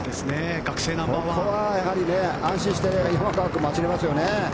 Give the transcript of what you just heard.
そこはやはり、安心して山川君も走れますよね。